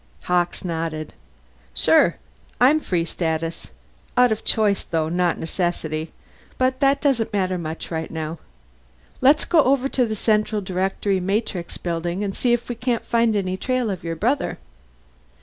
Hawkes nodded. "Sure, I'm Free Status. Out of choice, though, not necessity. But that doesn't matter much right now. Let's go over to the Central Directory Matrix Building and see if we can find any trail for your brother."